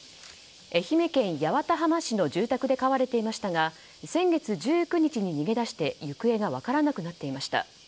愛媛県八幡浜市の住宅で飼われていましたが先月１９日に逃げ出して行方が分からなくなっていました。